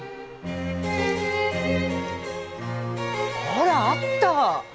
ほらあった！